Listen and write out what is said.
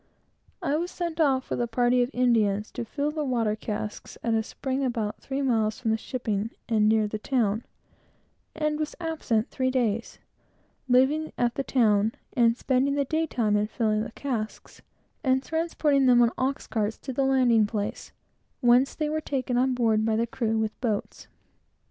I was sent off with a party of Indians to fill the water casks, at a spring, about three miles from the shipping, and near the town, and was absent three days, living at the town, and spending the daytime in filling the casks and transporting them on ox carts to the landing place, whence they were taken on board by the crew with boats.